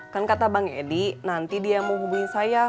kan kata bang edi nanti dia mau hubungi saya